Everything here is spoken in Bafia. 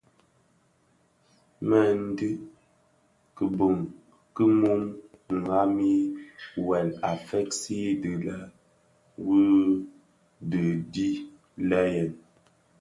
MË ndhi kibuň ki mum ndhami wuèl a feegsi ti lè: wuodhi dii le yèn.